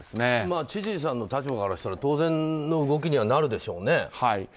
知事さんの立場からしたら当然の動きになるでしょうね。